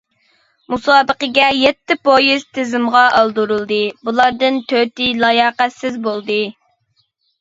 مۇسابىقىگە يەتتە پويىز تىزىمغا ئالدۇرۇلدى، بۇلاردىن تۆتى لاياقەتسىز بولدى.